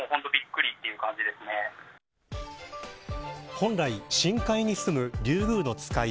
本来、深海にすむリュウグウノツカイ。